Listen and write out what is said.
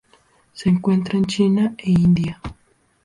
Se encuentra en China e India.